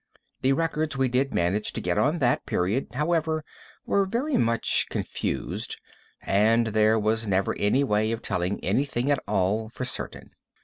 The records we did manage to get on that period, however, were very much confused, and there was never any way of telling anything at all, for certain.